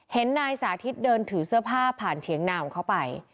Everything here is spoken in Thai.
นายสาธิตเดินถือเสื้อผ้าผ่านเถียงนาของเขาไป